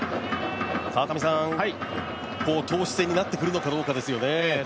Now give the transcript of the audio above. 川上さん、投手戦になってくるのかどうかですよね。